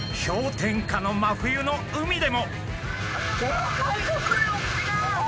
氷点下の真冬の海でも。